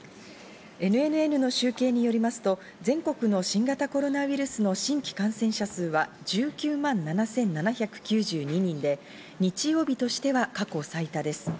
ＮＮＮの集計によりますと、全国の新型コロナウイルスの新規感染者数は１９万７７９２人で日曜日としては過去最多です。